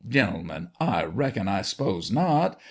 Gentlemen, I reckon — I s'pose not.